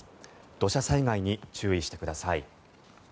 土砂災害に注意してください。